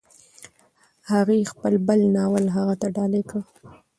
هغې خپل بل ناول هغه ته ډالۍ کړ.